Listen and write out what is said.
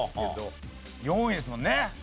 ４位ですもんね？